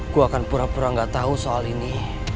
gue akan pura pura gak tahu soal ini